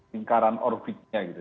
dalam lingkaran orbitnya gitu